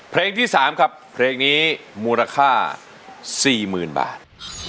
เพลงที่๓ครับเพลงนี้มูลค่า๔๐๐๐บาท